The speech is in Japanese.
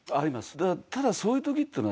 ただそういう時っていうのは。